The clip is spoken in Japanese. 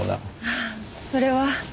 ああそれは。